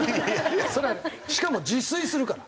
しかも自炊するから。